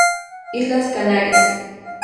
Islas Canarias.